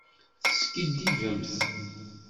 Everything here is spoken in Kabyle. Teskiddibemt.